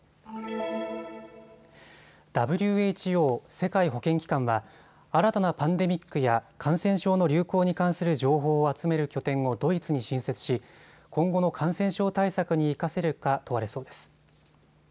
ＷＨＯ・世界保健機関は新たなパンデミックや感染症の流行に関する情報を集める拠点をドイツに新設し今後の感染症対策に生かせるか問われそうです。